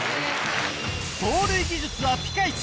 盗塁技術はピカイチ！